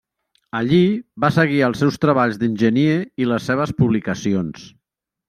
Allí va seguir els seus treballs d'enginyer i les seves publicacions.